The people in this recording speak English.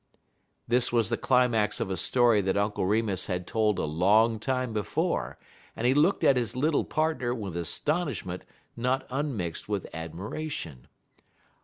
This was the climax of a story that Uncle Remus had told a long time before, and he looked at his little partner with astonishment not unmixed with admiration.